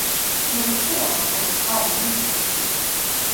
Något sådant får de aldrig mer se.